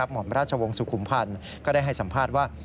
หมอมราชวงศ์สุขุมพันธ์ก็ได้ให้สัมภาษณ์ว่า